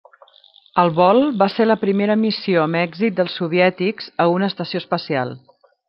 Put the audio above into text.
El vol va ser la primera missió amb èxit dels soviètics a una estació espacial.